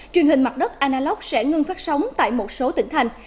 truyền hình mặt đất analock sẽ ngưng phát sóng tại một số tỉnh thành